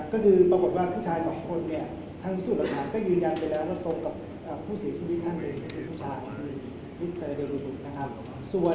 ก็คือปรากฏว่าผู้ชายสองคนเนี่ยทั้งสู่ก็ยืนยันไปแล้ว